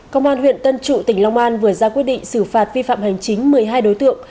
công an huyện tân trụ tỉnh long an vừa ra quyết định xử phạt vi phạm hành chính một mươi hai đối tượng